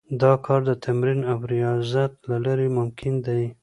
دا کار د تمرین او ریاضت له لارې ممکن دی